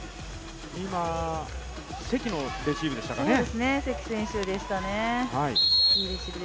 今、関のレシーブでしたかね？